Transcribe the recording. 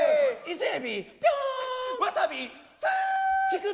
伊勢えびわさび乳首！